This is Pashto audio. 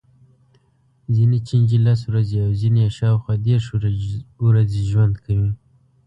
ځینې چینجي لس ورځې او ځینې یې شاوخوا دېرش ورځې ژوند کوي.